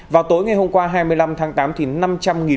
vào tối ngày hôm qua hai mươi năm tháng tám